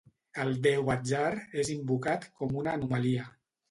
El déu Atzar és invocat com una anomalia.